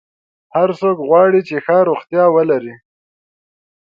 هر څوک غواړي چې ښه روغتیا ولري.